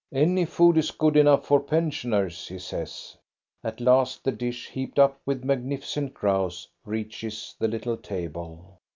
"Any food is good enough for pensioners," he says. ' At last the dish heaped up with magnificent grouse reaches the little table.